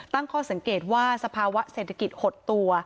ตั้งข้อสังเกตว่าสภาวะเศรษฐกิจหดตัว